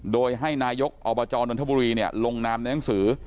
โดยให้นายกอบจนนทบุรีลงนามในหนังสือ